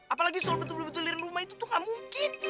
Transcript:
apalagi soal betul betul lirik rumah itu tuh gak mungkin